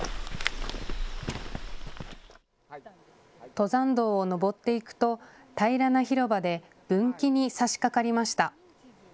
登山道を登っていくと平らな広場で分岐にさしかかりました。